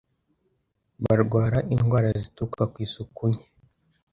barwara indwara zituruka ku isuku nke